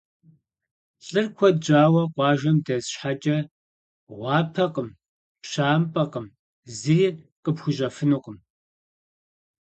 ЛӀыр куэд щӀауэ къуажэм дэс щхьэкӀэ, гъуапэкъым, пщампӀэкъым, зыри къыпхуищӀэфынукъым.